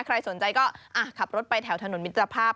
ใครสนใจก็ขับรถไปแถวถนนมิตรภาพ